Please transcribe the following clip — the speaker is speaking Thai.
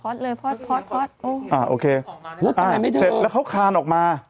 พอดเลยพอดพอดพอดโอ้ยอ่าโอเคอ่าเสร็จแล้วเขาคานออกมา